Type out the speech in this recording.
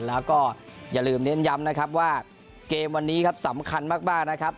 แล้วก็อย่าลืมเน้นย้ำนะครับว่าเกมวันนี้ครับสำคัญมากนะครับ